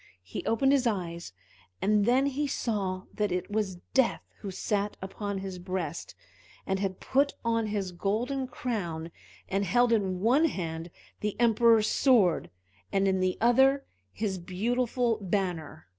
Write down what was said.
He opened his eyes, and then he saw that it was Death who sat upon his breast, and had put on his golden crown, and held in one hand the Emperor's sword, and in the other his beautiful banner.